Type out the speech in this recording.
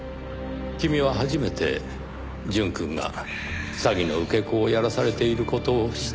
君は初めて淳くんが詐欺の受け子をやらされている事を知った。